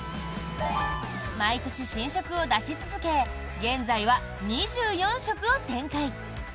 毎年、新色を出し続け現在は２４色を展開。